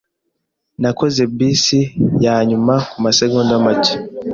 Nakoze bisi yanyuma kumasegonda make.